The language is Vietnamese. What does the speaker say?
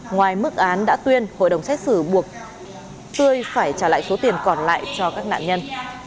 ngoài mức án đã tuyên hội đồng xét xử buộc chui phải trả lại số tiền còn lại cho các nạn nhân